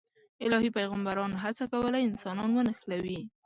الهي پیغمبرانو هڅه کوله انسانان ونښلوي.